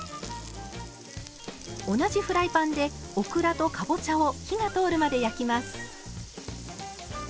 同じフライパンでオクラとかぼちゃを火が通るまで焼きます。